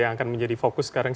yang akan menjadi fokus sekarang